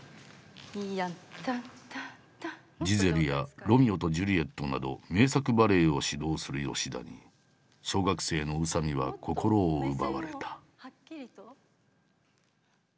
「ジゼル」や「ロミオとジュリエット」など名作バレエを指導する吉田に小学生の宇佐見は心を奪われた。